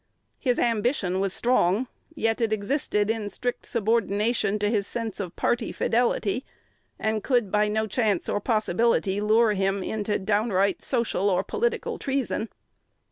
His ambition was strong; yet it existed in strict subordination to his sense of party fidelity, and could by no chance or possibility lure him into downright social or political treasons.